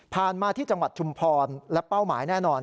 มาที่จังหวัดชุมพรและเป้าหมายแน่นอน